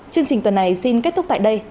chương trình tuần này xin kết thúc tại đây